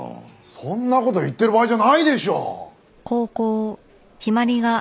そんな事言ってる場合じゃないでしょ！